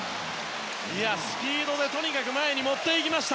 スピードでとにかく前に持っていきました。